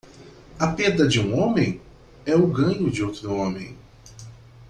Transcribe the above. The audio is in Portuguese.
A perda de um homem? é o ganho de outro homem.